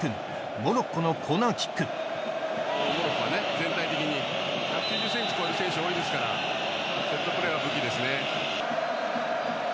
モロッコは全体的に１８０ｃｍ超える選手多いですからセットプレーが武器ですね。